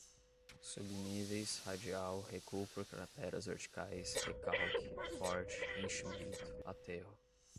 subníveis, radial, recuo por crateras verticais, recalque, corte, enchimento, aterro